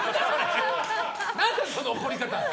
何だ、その怒り方。